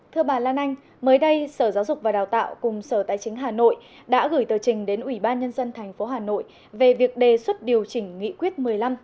thưa bà lan anh mới đây sở giáo dục và đào tạo cùng sở tài chính hà nội đã gửi tờ trình đến ủy ban nhân dân thành phố hà nội về việc đề xuất điều chỉnh nghị quyết một mươi năm hai nghìn một mươi năm